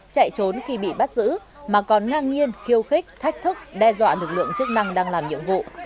chạy trốn khi bị bắt giữ mà còn ngang nhiên khiêu khích thách thức đe dọa lực lượng chức năng đang làm nhiệm vụ